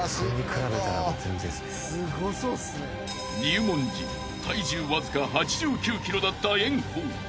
［入門時体重わずか８９ｋｇだった炎鵬］